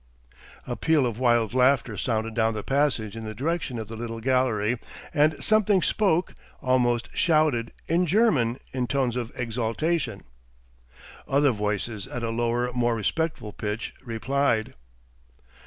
A peal of wild laughter sounded down the passage in the direction of the little gallery and something spoke almost shouted in German, in tones of exultation. Other voices at a lower, more respectful pitch replied.